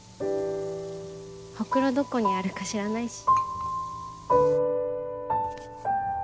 ホクロどこにあるか知らないし。